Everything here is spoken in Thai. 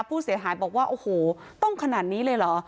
ผู้เสียหายบอกว่าโอ้โหต้องขนาดนี้เลยเหรอ